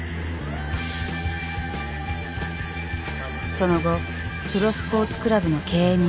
その後プロスポーツクラブの経営に乗り出す。